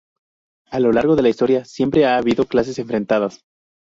A lo largo de la historia siempre ha habido clases enfrentadas.